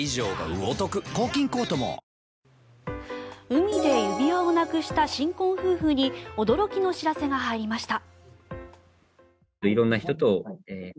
海で指輪をなくした新婚夫婦に驚きの知らせが入りました。